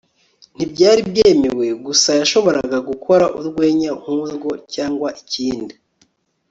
ntibyari byemewe. gusa yashoboraga gukora urwenya nkurwo - cyangwa ikindi